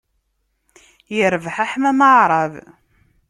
Irbeḥ aḥmam aɛṛab.